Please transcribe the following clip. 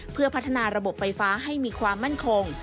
เพื่อพัฒนาระบบไฟฟ้าให้มีความมั่นคง